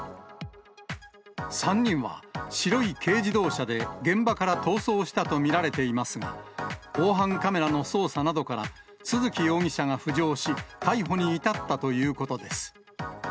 ３人は白い軽自動車で現場から逃走したと見られていますが、防犯カメラの捜査などから、都築容疑者が浮上し、逮捕に至ったということです。